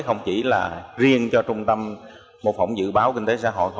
không chỉ là riêng cho trung tâm mô phỏng dự báo kinh tế xã hội